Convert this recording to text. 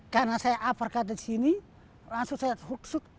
karena saya uppercut di sini langsung saya huk huk